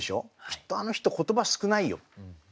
きっとあの人言葉少ないよ。